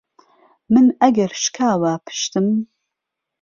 من ئەگەر شکاوە پشتم